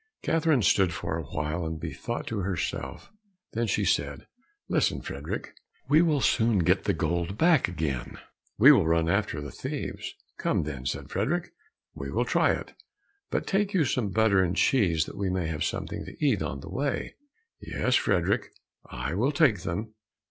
Catherine stood for a while and bethought to herself; then she said, "Listen, Frederick, we will soon get the gold back again, we will run after the thieves." "Come, then," said Frederick, "we will try it; but take with you some butter and cheese that we may have something to eat on the way." "Yes, Frederick, I will take them."